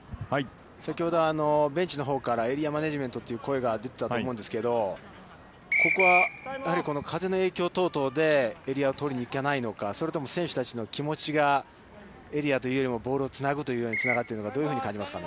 先ほどベンチのほうからエリアマネジメントという声が出てたと思うんですけど、ここはやはり風の影響等々でエリアを取りに行けないのか、それとも、選手たちの気持ちがエリアというよりもボールをつなぐというのにつながっているのか、どういうふうに感じますかね。